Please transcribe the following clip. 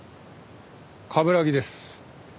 冠城です。